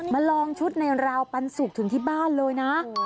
ลองชุดในราวปันสุกถึงที่บ้านเลยนะ